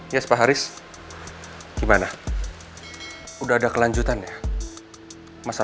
gua tak pernah pernah biarnya teropa terima pak